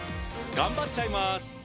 頑張っちゃいます。